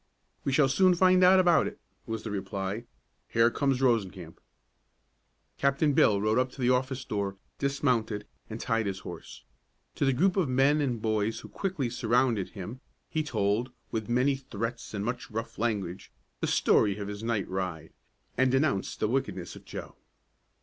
"We shall soon find out about it," was the reply. "Here comes Rosencamp." Captain Bill rode up to the office door, dismounted, and tied his horse. To the group of men and boys who quickly surrounded him he told, with many threats and much rough language, the story of his night ride, and denounced the wickedness of Joe.